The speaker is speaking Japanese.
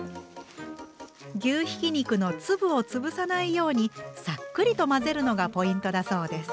牛ひき肉の粒を潰さないようにさっくりと混ぜるのがポイントだそうです。